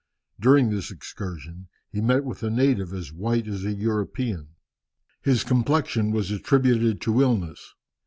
During this excursion he met with a native as white as a European. His complexion was attributed to illness.